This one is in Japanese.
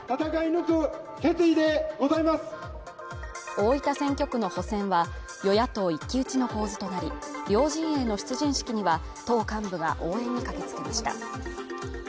大分選挙区の補選は、与野党一騎打ちの構図となり、両陣営の出陣式には、党幹部が応援に駆けつけました。